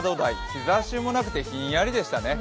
日ざしもなくてひんやりでしたね。